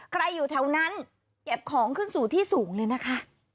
อยู่แถวนั้นเก็บของขึ้นสู่ที่สูงเลยนะคะ